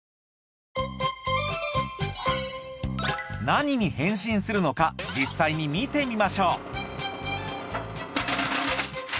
何に変身するのか実際に見てみましょう